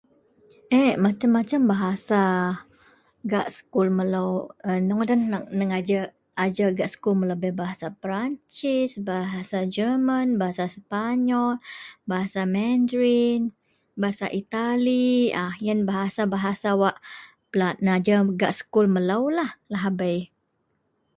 Yok masem-masem bahasa gak sekul melo ino ngadan najer ajer gak sekul melo bei bahasa Perancis bahasa German bahasa Sepanyol bahasa Mandarin bahasa Italy ah iyen bahasa-bahasa wak najer gak sekul melo lah lahabei.